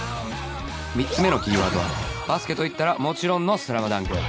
３つ目のキーワードはバスケといったらもちろんの『ＳＬＡＭＤＵＮＫ』